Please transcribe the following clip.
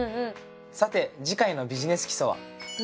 さて次回の「ビジネス基礎」は？